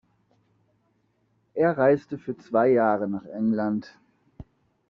Er reiste für zwei Jahre nach England.